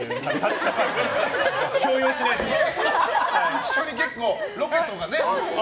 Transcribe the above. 一緒にロケとかね。